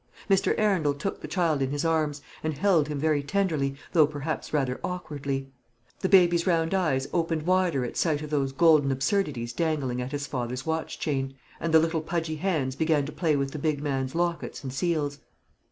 Mr. Arundel took the child in his arms, and held him very tenderly, though perhaps rather awkwardly. The baby's round eyes opened wider at sight of those golden absurdities dangling at his father's watch chain, and the little pudgy hands began to play with the big man's lockets and seals.